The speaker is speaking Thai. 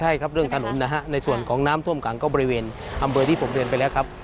ใช่ครับเรื่องถนนนะฮะในส่วนของน้ำท่วมขังก็บริเวณอำเภอที่ผมเรียนไปแล้วครับ